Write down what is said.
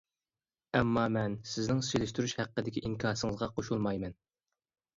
ئەمما، مەن سىزنىڭ سېلىشتۇرۇش ھەققىدىكى ئىنكاسىڭىزغا قوشۇلمايمەن.